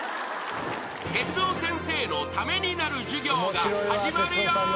［哲夫先生のためになる授業が始まるよ］